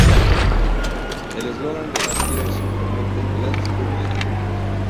El eslogan de la gira es simplemente "Let's Boogie"